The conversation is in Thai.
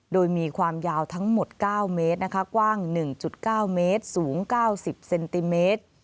โดยมีความยาวทั้งหมด๙เมตรนะคะกว้าง๑๙เมตรสูง๙๐เซนติเมตร